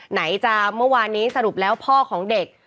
ไหนจะเมื่อวานนี้สรุปแล้วพ่อของเด็ก